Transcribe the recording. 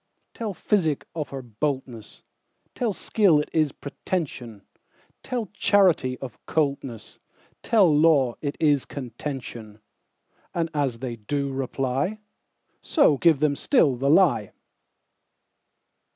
Tell physic of her boldness; Tell skill it is pretension; Tell charity of coldness; Tell law it is contention:And as they do reply, So give them still the lie.